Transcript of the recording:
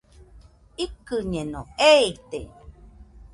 Ikɨñeno, eite